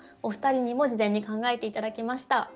お二人にも事前に考えて頂きました。